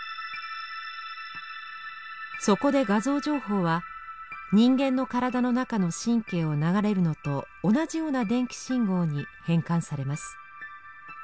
そこで画像情報は人間の体の中の神経を流れるのと同じような電気信号に変換されます。